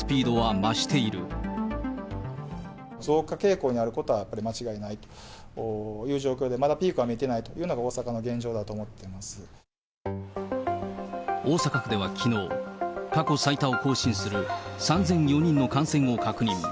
増加傾向にあることはやっぱり間違いないという状況で、まだピークは見えていないというのが、大阪の現状だと思っていま大阪府ではきのう、過去最多を更新する３００４人の感染を確認。